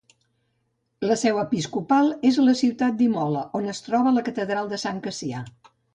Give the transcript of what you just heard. La seu episcopal és la ciutat d'Imola, on es troba la catedral de Sant Cassià.